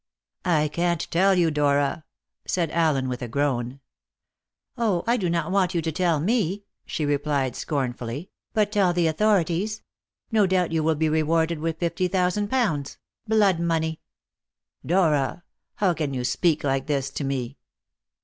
"I can't tell you, Dora," said Allen with a groan. "Oh, I do not want you to tell me!" she replied scornfully, "but tell the authorities. No doubt you will be rewarded with fifty thousand pounds blood money." "Dora! How can you speak like this to me?"